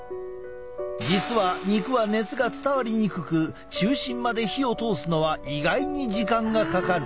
実は肉は熱が伝わりにくく中心まで火を通すのは意外に時間がかかる。